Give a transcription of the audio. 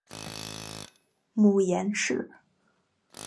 母颜氏。